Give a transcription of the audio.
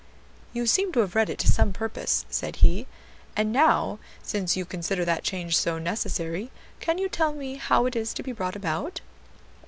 "You seem to have read it to some purpose," said he; "and now since you consider that change so necessary, can you tell me how it is to be brought about?"